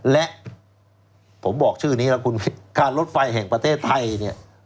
และผมบอกชื่อนี้แล้วคุณค่ารถไฟแห่งประเทศไทยเนี่ย